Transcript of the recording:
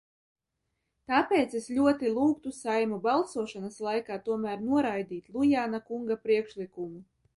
Tāpēc es ļoti lūgtu Saeimu balsošanas laikā tomēr noraidīt Lujāna kunga priekšlikumu.